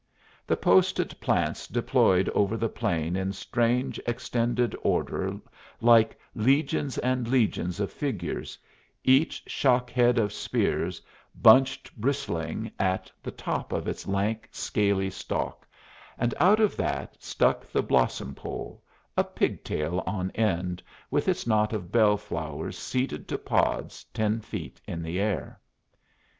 The posted plants deployed over the plain in strange extended order like legions and legions of figures, each shock head of spears bunched bristling at the top of its lank, scaly stalk, and out of that stuck the blossom pole, a pigtail on end, with its knot of bell flowers seeded to pods ten feet in the air.